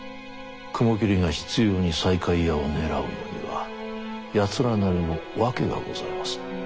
雲霧が執ように西海屋を狙うのには奴らなりの訳がございます。